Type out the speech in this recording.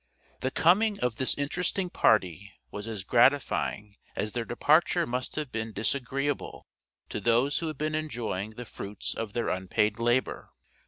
The coming of this interesting party was as gratifying, as their departure must have been disagreeable to those who had been enjoying the fruits of their unpaid labor.